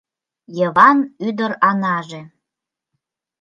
Йыван ӱдыр Анаже